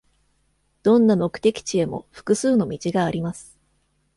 どんな目的地へも複数の道があります。